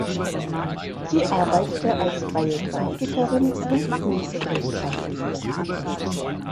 Sie arbeitete als freie Grafikerin und Buchillustratorin.